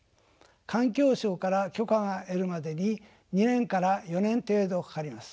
環境省から許可が出るまでに２年から４年程度かかります。